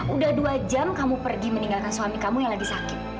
udah dua jam kamu pergi meninggalkan suami kamu yang lagi sakit